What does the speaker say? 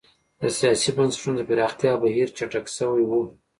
د سیاسي بنسټونو د پراختیا بهیر چټک شوی و.